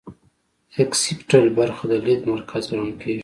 اکسیپیټل برخه د لید مرکز ګڼل کیږي